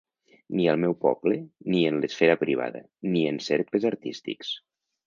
Ni al meu poble, ni en l’esfera privada, ni en cercles artístics.